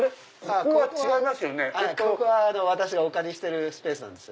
ここは私がお借りしてるスペースなんです。